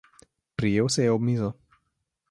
Prijel se je ob mizo.